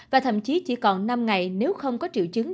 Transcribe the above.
và thậm chí chỉ còn năm ngày nếu không có triệu chứng